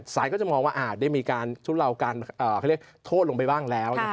ศาลก็จะมองว่าได้มีการทดลองการโทษลงไปบ้างแล้ว